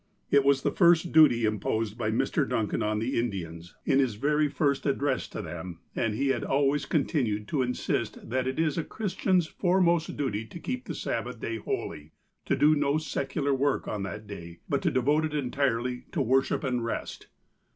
It was the first duty imposed by Mr. Duncan on the Indians, in his very first 165 166 THE APOSTLE OF ALASKA address to them, aud he had always continued to insist that it is a Christian's foremost duty to keep the Sabbath day holy, to do no secular work on that day, but to de vote it entirely to worship and rest.